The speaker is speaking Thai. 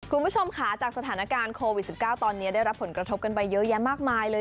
คุณผู้ชมค่ะจากสถานการณ์โควิด๑๙ตอนนี้ได้รับผลกระทบกันไปเยอะแยะมากมายเลย